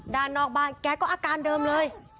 ด้านนอกบ้านแกก็อาการเดิมเลย